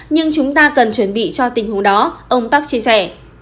nhưng chúng ta cần chuẩn bị cho tình huống đó ông park chia sẻ